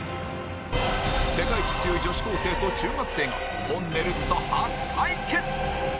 世界一強い女子高生と中学生がとんねるずと初対決！